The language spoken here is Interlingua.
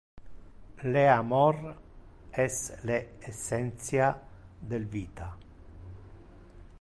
Le amor es le essentia del vita.